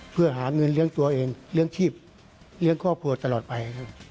เพื่อหาเงินเลี้ยงตัวเองเลี้ยงชีพเลี้ยงครอบครัวตลอดไปครับ